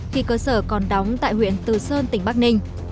khi cơ sở còn đóng tại huyện từ sơn tỉnh bắc ninh